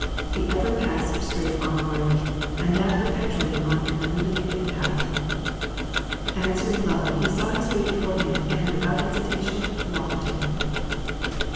He ever passed straight onward, and that perpetually on an illuminated pathway. Answering love He saw His way before Him and without hesitation walked in it.